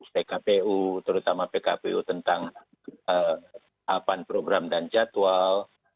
pkpu terutama pkpu tentang apaan program dan jadwal